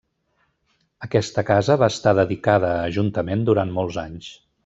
Aquesta casa va estar dedicada a Ajuntament durant molts anys.